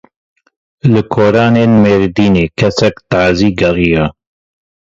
Li kolanên Mêrdînê kesek tazî geriya.